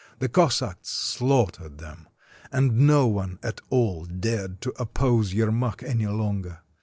The Cossacks slaughtered them. And no one at all dared to oppose Yermak any longer.